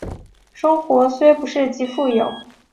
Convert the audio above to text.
生活虽不是极富有